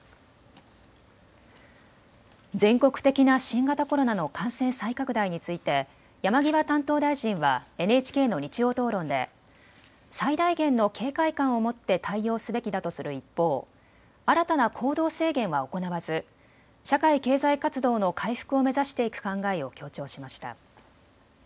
全国的な新型コロナの感染再拡大について山際担当大臣はＮＨＫの日曜討論で最大限の警戒感を持って対応すべきだとする一方、新たな行動制限は行わず社会経済活動の回復を目指していく考えを強調しました。